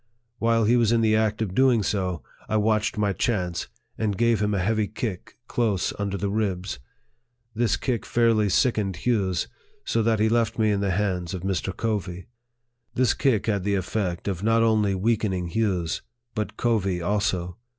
While he was in the act of doing so, I watched my chance, and gave him a heavy kick close under the ribs. This kick fairly sickened Hughes, so that he left me in the hands of Mr. Covey. This kick had the effect of not only weakening Hughes, but Covey also.